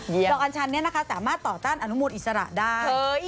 ดอกอัญชันนี้นะคะสามารถต่อต้านอนุมูลอิสระได้